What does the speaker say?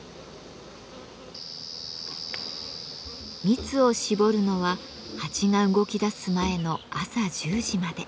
蜜をしぼるのはハチが動きだす前の朝１０時まで。